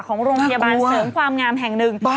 ของโรงพยาบาลเสริมความงามแห่งหนึ่ง